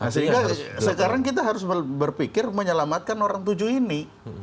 sehingga sekarang kita harus berpikir menyelamatkan orang tujuh ini